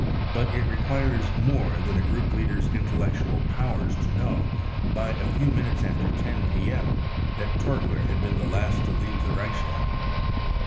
But it requires more than a group leader's intellectual powers to know, by a few minutes after 10 ' p.m., that Torgler had been the last to leave the Reichstag.